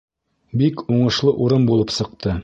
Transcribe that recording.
— Бик уңышлы урын булып сыҡты.